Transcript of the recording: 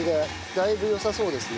だいぶよさそうですね。